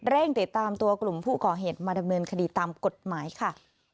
ติดตามตัวกลุ่มผู้ก่อเหตุมาดำเนินคดีตามกฎหมายค่ะ